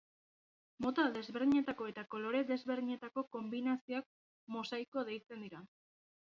Mota desberdinetako eta kolore desberdinetako konbinazioak mosaiko deitzen dira.